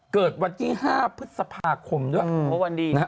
เกิดวัน๒๕พฤษภาคมด้วยเพราะวันดีนะฮะ